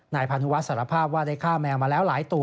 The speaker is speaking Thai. พานุวัฒนสารภาพว่าได้ฆ่าแมวมาแล้วหลายตัว